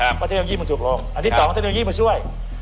เพราะเทคโนโลยีมันถูกลงอันที่สองเทคโนโลยีมาช่วย